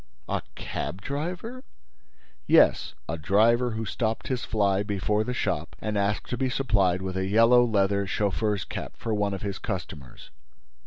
"A cab driver!" "Yes, a driver who stopped his fly before the shop and asked to be supplied with a yellow leather chauffeur's cap for one of his customers.